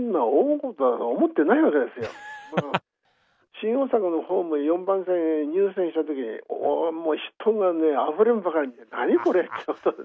新大阪のホーム４番線へ入線した時もう人がねあふれんばかりで「何？これ」ってなったんですね。